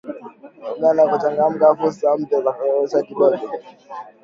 Uganda kuchangamkia fursa mpya za kibiashara Kongo